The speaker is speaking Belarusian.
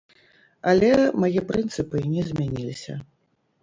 Але мае прынцыпы не змяніліся.